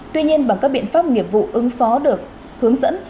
tuy nhiên bằng các biện pháp nghiệp vụ ứng phó được hướng dẫn